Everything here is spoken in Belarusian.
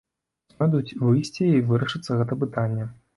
Знойдуць выйсце, і вырашыцца гэта пытанне.